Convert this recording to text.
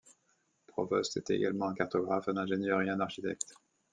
Provost était également un cartographe, un ingénieur et un architecte.